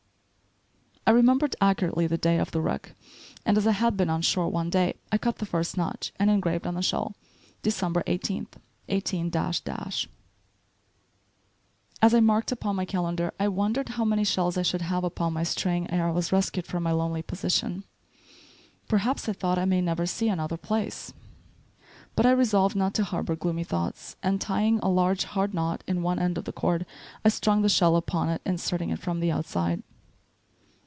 I remembered, accurately the day of the wreck, and as I had been on shore one day, I out the first notch, and engraved on the shell: "December 18th, 18 ." As I marked upon my calendar I wondered how many shells I should have upon my string ere I was rescued from my lonely position. "Perhaps," I thought, "I may never see any other place." But I resolved not to harbor gloomy thoughts; and tying a large hard knot in one end of the cord, I strung the shell upon it, inserting it from the outside.